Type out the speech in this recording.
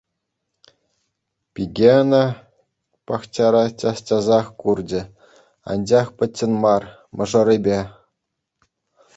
Пике ӑна пахчара час-часах курчӗ, анчах пӗччен мар — мӑшӑрӗпе.